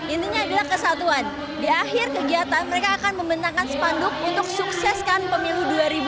intinya adalah kesatuan di akhir kegiatan mereka akan membentangkan sepanduk untuk sukseskan pemilu dua ribu dua puluh